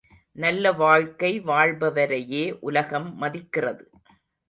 நல்ல வாழ்க்கை வாழ்பவரையே உலகம் மதிக்கிறது.